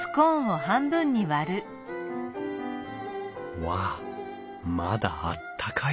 うわあまだあったかい。